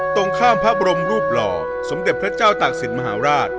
ตรงข้ามพระบรมรูปหล่อสมเด็จพระเจ้าตากศิลปมหาราช